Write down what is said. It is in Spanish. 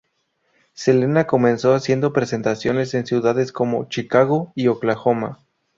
Selena comenzó haciendo presentaciones en ciudades como Chicago y Oklahoma.